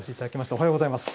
おはようございます。